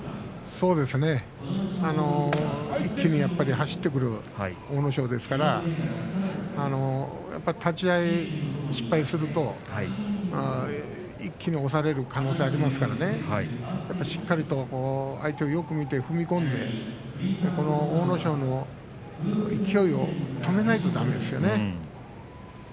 そうですね一気に走ってくる阿武咲ですから立ち合い失敗すると一気に押される可能性がありますからねしっかりと相手をよく見て踏み込んで阿武咲の勢いを止めないとだめですね。